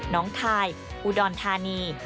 น้องทายอุดรธานี